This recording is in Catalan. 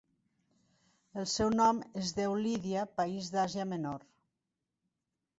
El seu nom es deu Lídia, país d'Àsia Menor.